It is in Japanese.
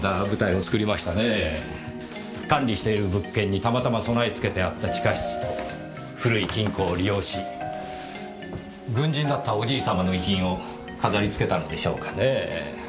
管理している物件にたまたま備え付けてあった地下室と古い金庫を利用し軍人だったおじい様の遺品を飾りつけたんでしょうかねぇ。